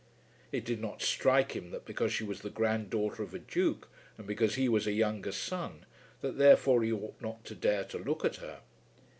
It did not strike him that because she was the granddaughter of a duke, and because he was a younger son, that therefore he ought not to dare to look at her.